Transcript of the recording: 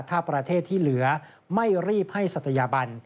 ถ้าประเทศที่เหลือไม่รีบให้ศัตยาบัน